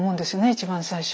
一番最初。